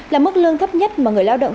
là mức lương thấp nhất mà người lao động